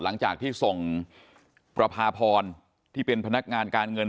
หลังจากที่ส่งประพาพรที่เป็นพนักงานการเงิน